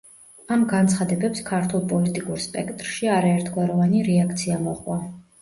ამ განცხადებებს ქართულ პოლიტიკურ სპექტრში არაერთგვაროვანი რეაქცია მოჰყვა.